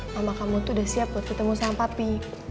sama kamu tuh udah siap buat ketemu sama papi